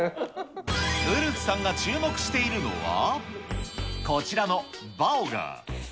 ウルフさんが注目しているのは、こちらのバオガー。